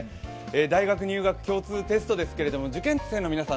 大学入学共通テストですけれども受験生の皆さん